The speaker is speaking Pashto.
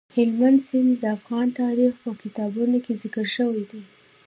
هلمند سیند د افغان تاریخ په کتابونو کې ذکر شوی دی.